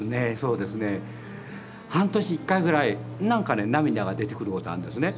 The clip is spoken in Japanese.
半年１回くらいなんかね涙が出てくることがあるんですね。